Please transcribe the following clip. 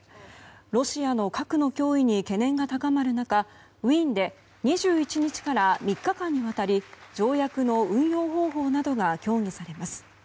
ロシアの核の脅威に懸念が高まる中ウィーンで２１日から３日間にわたり条約の運用方法などが協議されます。